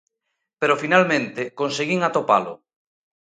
Pero finalmente conseguín atopalo.